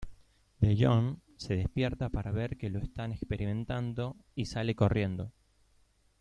DeYoung se despierta para ver que lo están experimentando y sale corriendo.